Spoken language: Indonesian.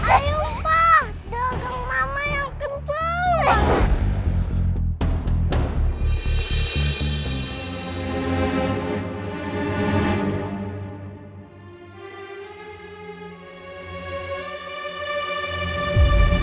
ayuh pak dogeng mama yang kecil